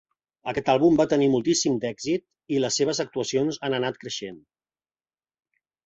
Aquest àlbum va tenir moltíssim d'èxit i les seves actuacions han anat creixent.